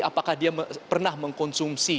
apakah dia pernah mengkonsumsi